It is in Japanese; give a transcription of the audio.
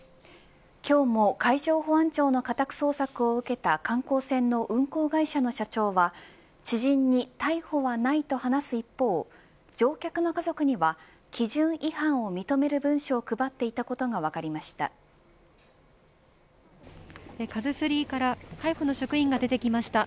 今日も海上保安庁の家宅捜索を受けた観光船の運航会社の社長は、知人に逮捕はないと話す一方乗客の家族には基準違反を認める文書を配っていたことが分かりました。